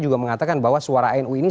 juga mengatakan bahwa suara nu ini